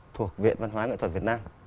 thuộc viện văn hóa ngoại thuật việt nam